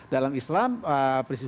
dalam islam prinsip